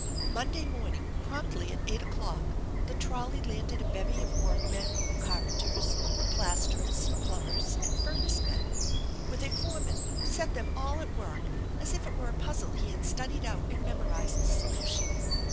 Monday morning promptly at eight o'clock the trolley, landed a bevy of workmen, carpenters, plasterers, plumbers, and furnace men, with a foreman who set them all at work as if it were a puzzle he had studied out and memorized the solution.